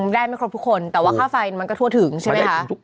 ได้ไม่ครบทุกคนแต่ว่าค่าไฟมันก็ทั่วถึงใช่ไหมคะ